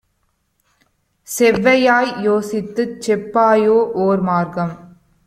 செவ்வையாய் யோசித்துச் செப்பாயோ ஓர்மார்க்கம்?'